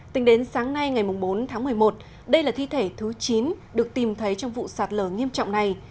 tính đến sáng nay ngày bốn tháng một mươi một đây là thi thể thứ chín được tìm thấy trong vụ sạt lở nghiêm trọng này